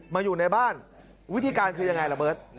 อยู่ในบ้านวิธีการคือยังไงละเบิร์ต